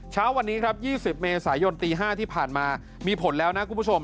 เช้าวันนี้ครับ๒๐เมษายนตี๕ที่ผ่านมามีผลแล้วนะคุณผู้ชม